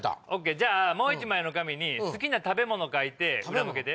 じゃあもう１枚の紙に好きな食べ物書いて裏向けて。